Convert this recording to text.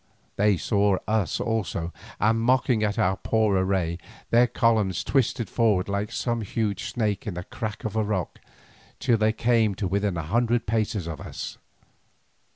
They saw us also, and mocking at our poor array, their column twisted forward like some huge snake in the crack of a rock, till they came to within a hundred paces of us.